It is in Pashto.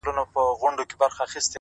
هغه چي ماته يې په سرو وینو غزل ليکله،